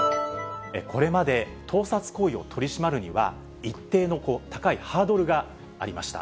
これまで、盗撮行為を取り締まるには、一定の高いハードルがありました。